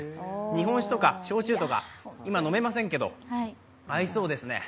日本酒とか焼酎とか、今飲めませんけど、合いそうですね。